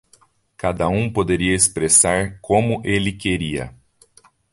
Cada um poderia expressar como ele queria.